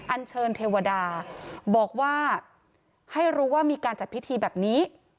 อันเชิญเทวดาบอกว่าให้รู้ว่ามีการจัดพิธีแบบนี้